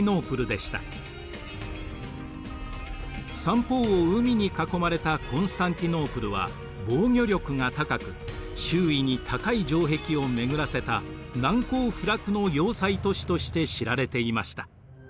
三方を海に囲まれたコンスタンティノープルは防御力が高く周囲に高い城壁を巡らせた難攻不落の要塞都市として知られていました。